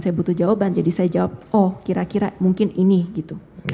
saya butuh jawaban jadi saya jawab oh kira kira mungkin ini gitu